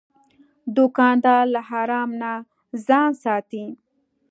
دوکاندار له حرام نه ځان ساتي.